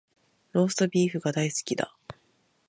ローストビーフが大好きだ